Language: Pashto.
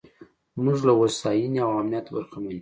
موږ له هوساینې او امنیت برخمن یو.